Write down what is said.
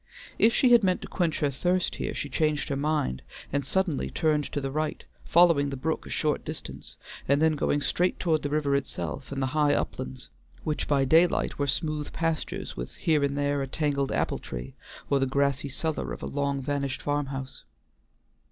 If she had meant to quench her thirst here, she changed her mind, and suddenly turned to the right, following the brook a short distance, and then going straight toward the river itself and the high uplands, which by daylight were smooth pastures with here and there a tangled apple tree or the grassy cellar of a long vanished farm house.